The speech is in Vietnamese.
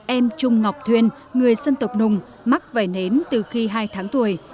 em trung ngọc thuyên người dân tộc nùng mắc vẩy nến từ khi hai tháng tuổi